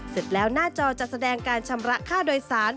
เสร็จแล้วหน้าจอจะแสดงการชำระค่าโดยสาร